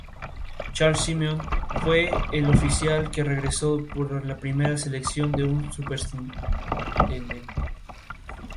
Charles Simeon fue el oficial que regresó para la primera elección de un Superintendente.